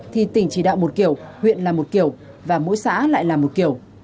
thì tỉnh chỉ đạo một kiểu huyện là một kiểu và mỗi xã lại là một kiểu